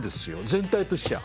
全体としちゃ。